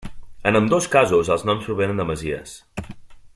En ambdós casos els noms provenen de masies.